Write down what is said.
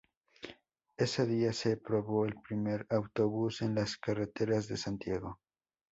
Ese día se probó el primer autobús en las carreteras de Santiago.